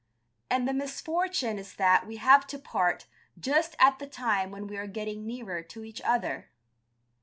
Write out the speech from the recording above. "And the misfortune is that we have to part just at the time when we are getting nearer to each other."